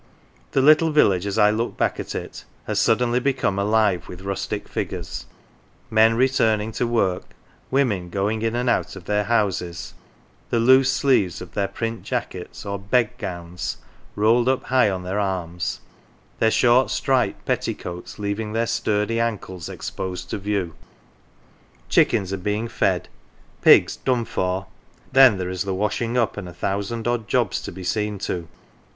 The little village, as I look back at it, has suddenly become alive with rustic figures: men returning to work ; women going in and out of their houses, the loose sleeves of their print jackets or "bedgowns 1 " rolled up high on their arms, their short striped petti coats leaving their sturdy ankles exposed to view. Chickens are being fed, pigs " done for "; then there is the washing up and a thousand odd jobs to be seen to.